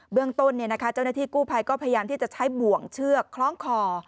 เรื่องต้นเจ้าหน้าที่กู้ภัยก็พยายามที่จะใช้บ่วงเชือกคล้องคอ